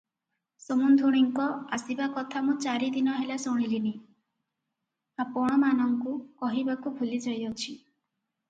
ସମୁନ୍ଧୁଣୀଙ୍କ ଆସିବା କଥା ମୁଁ ଚାରିଦିନ ହେଲା ଶୁଣଲିଣି, ଆପଣମାନଙ୍କୁ କହିବାକୁ ଭୁଲିଯାଇଅଛି ।